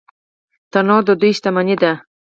تنوع د دوی شتمني ده.